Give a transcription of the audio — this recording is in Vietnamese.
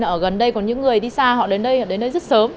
ở gần đây có những người đi xa họ đến đây rất sớm